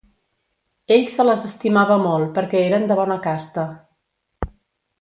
Ell se les estimava molt perquè eren de bona casta.